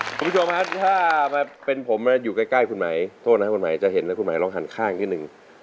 คุณผู้ชมฮะถ้าเป็นผมมาอยู่ใกล้คุณไหมโทษนะครับคุณหมายจะเห็นนะคุณหมายลองหันข้างนิดนึง